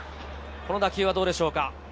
この打球はどうでしょうか。